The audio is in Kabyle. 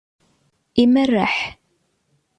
Imerreḥ.